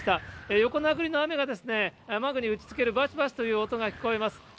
横殴りの雨が窓に打ちつけるばしばしという音が聞こえます。